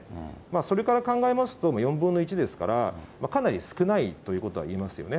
それから考えますと４分の１ですから、かなり少ないということは言えますよね。